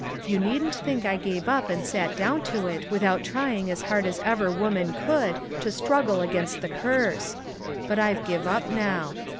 You needn't think I gave up and sat down to it without trying as hard as ever woman could to struggle against the curse ; but I've give up now.